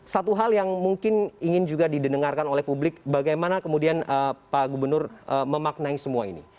satu hal yang mungkin ingin juga didengarkan oleh publik bagaimana kemudian pak gubernur memaknai semua ini